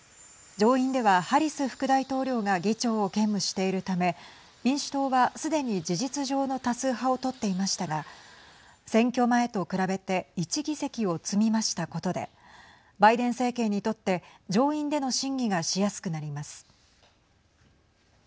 上院ではハリス副大統領が議長を兼務しているため民主党は、すでに事実上の多数派を取っていましたが選挙前と比べて１議席を積み増したことでバイデン政権にとって上院での審議がしやすくなります。